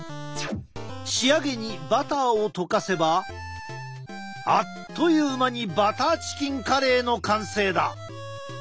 仕上げにバターを溶かせばあっという間にバターチキンカレーの完成だ！